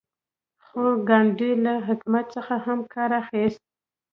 خو ګاندي له حکمت څخه هم کار اخیست.